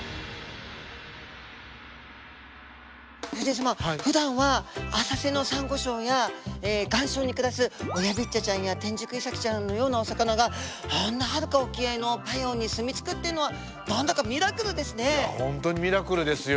藤井様ふだんは浅瀬のサンゴ礁や岩礁に暮らすオヤビッチャちゃんやテンジクイサキちゃんのようなお魚があんなはるか沖合のパヤオに住みつくっていうのは何だかミラクルですね。